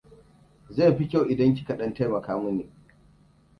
Zai fi kyau idan kika ɗan taimaka mini.